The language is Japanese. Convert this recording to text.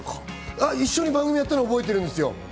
一緒に番組をやったのは覚えてるんですよ。